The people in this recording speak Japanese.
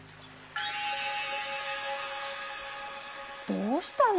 どうしたの？